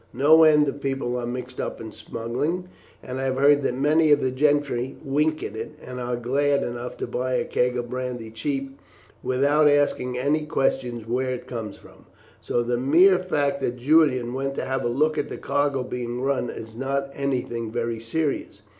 No end of people are mixed up in smuggling; and I have heard that many of the gentry wink at it, and are glad enough to buy a keg of brandy cheap without asking any questions where it comes from. So the mere fact that Julian went to have a look at a cargo being run is not anything very serious.